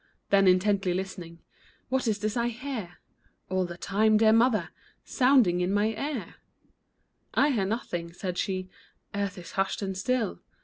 Then intently listening, " What is this I hear All the time, dear mother, Sounding in my ear ?"" I hear nothing," said she, " Earth is hushed and still."